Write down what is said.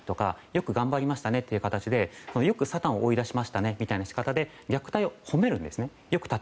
よく頑張りましたねという形でよくサタンを追い出しましたねという形で虐待を褒めるんですね。